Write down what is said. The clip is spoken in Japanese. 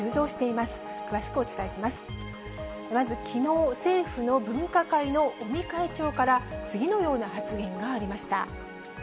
まずきのう、政府の分科会の尾身会長から、次のような発言がありました。